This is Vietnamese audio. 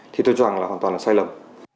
thì tôi cho rằng là hoàn toàn là sai lầm